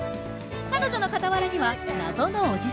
彼女の傍らには謎のおじさん。